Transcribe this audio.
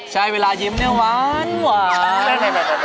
ใช่เวลายิ้มเนี่ยหวาน